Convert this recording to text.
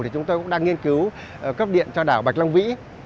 thì chúng tôi cũng đang nghiên cứu cấp điện cho đảo bạch long vĩ